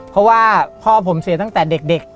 เพราะว่าพ่อผมเสียตั้งแต่เด็ก